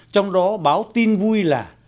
trong đó báo tin vui là